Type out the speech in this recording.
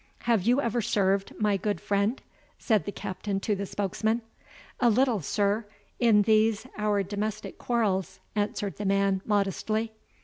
"Have you ever served, my good friend?" said the Captain to the spokesman. "A little, sir, in these our domestic quarrels," answered the man, modestly.